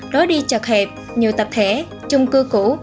lối đi chật hẹp nhiều tập thể chung cư cũ